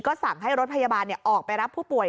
สั่งให้รถพยาบาลออกไปรับผู้ป่วย